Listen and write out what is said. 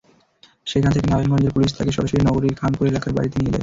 সেখান থেকে নারায়ণগঞ্জের পুলিশ তাঁকে সরাসরি নগরীর খানপুর এলাকার বাড়িতে নিয়ে যায়।